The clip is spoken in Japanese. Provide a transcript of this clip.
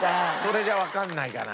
それじゃわかんないかな。